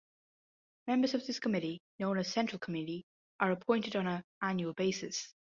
Members of this committee, known as Central Committee, are appointed on an annual basis.